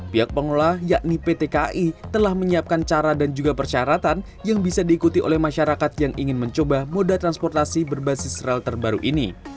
pihak pengelola yakni pt kai telah menyiapkan cara dan juga persyaratan yang bisa diikuti oleh masyarakat yang ingin mencoba moda transportasi berbasis rel terbaru ini